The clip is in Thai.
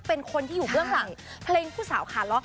เป็นคนที่อยู่เบื้องหลังเพลงผู้สาวขาล้อ